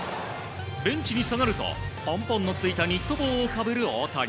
ベンチに下がるとポンポンのついたニット帽をかぶる大谷。